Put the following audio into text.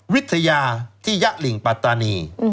วิทยาที่ยะหลิงปัตตานี